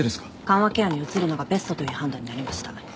緩和ケアに移るのがベストという判断になりました。